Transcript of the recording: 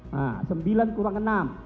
nah sembilan kurang enam